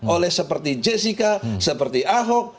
oleh seperti jessica seperti ahok